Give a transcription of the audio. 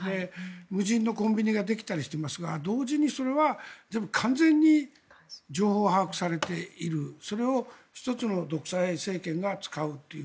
無人のコンビニができたりしていますが同時にそれは完全に情報を把握されているそれを１つの独裁政権が使うという。